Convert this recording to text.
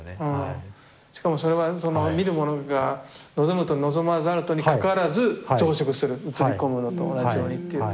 しかもそれはそれが見るものが望むと望まざるとにかかわらず増殖する映り込むのと同じようにっていう。